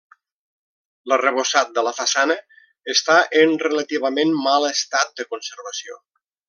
L'arrebossat de la façana està en relativament mal estat de conservació.